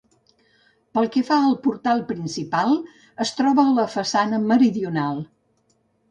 Pel que fa al portal principal, es troba a la façana meridional.